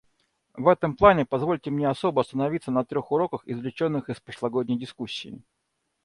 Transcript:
В этом плане позвольте мне особо остановиться на трех уроках, извлеченных из прошлогодней дискуссии.